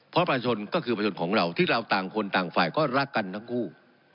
เพราะประชาชนก็คือประชนของเราที่เราต่างคนต่างฝ่ายก็รักกันทั้งคู่